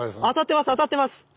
当たってます！